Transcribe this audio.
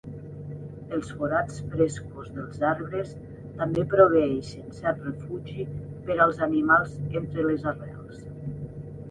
Els forats frescos dels arbres també proveeixen cert refugi per als animals entre les arrels.